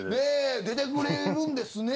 出てくれるんですね。